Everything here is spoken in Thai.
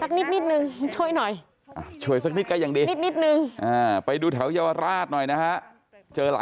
ค่ะคุณจะใช้อะไรในปฏิการในการตัดสินใจ